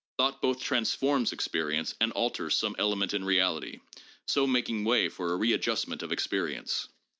Thought both transforms experience and alters some elements in reality, so making way for a readjust ment of experience.